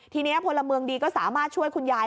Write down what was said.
ทีนี้พลเมืองดีก็สามารถช่วยคุณยาย